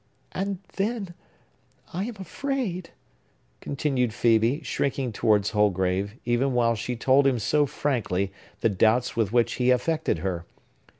"And then—I am afraid!" continued Phœbe, shrinking towards Holgrave, even while she told him so frankly the doubts with which he affected her.